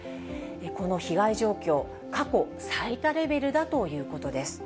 この被害状況、過去最多レベルだということです。